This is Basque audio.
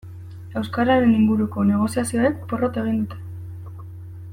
Euskararen inguruko negoziazioek porrot egin dute.